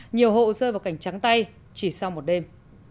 nhiều hộ rơi vào cảnh trắng tay chỉ sau một đêm